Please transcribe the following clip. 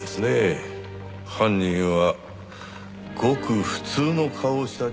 犯人はごく普通の顔をした人物でしょうね。